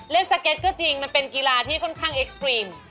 สเก็ตก็จริงมันเป็นกีฬาที่ค่อนข้างเอ็กซ์ตรีม